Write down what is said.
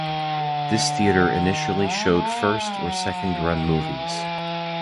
This theater initially showed first or second run movies.